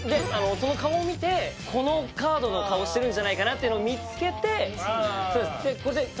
その顔を見てこのカードの顔をしてるんじゃないかなっていうのを見つけて面白いね